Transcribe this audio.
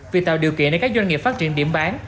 vì tạo điều kiện để các doanh nghiệp phát triển điểm bán